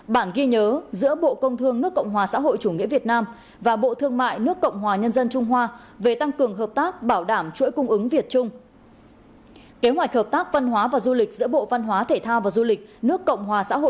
bản ghi nhớ giữa bộ công thương nước cộng hòa xã hội chủ nghĩa việt nam và bộ thương mại nước cộng hòa nhân dân trung hoa về tăng cường hợp tác bảo đảm chuỗi cung ứng việt trung